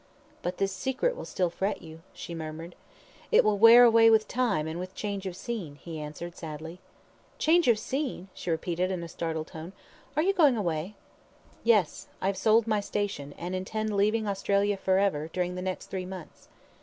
"But this secret will still fret you," she murmured. "It will wear away with time and with change of scene," he answered sadly. "Change of scene!" she repeated in a startled tone. "Are you going away?" "Yes; I have sold my station, and intend leaving Australia for ever during the next three months."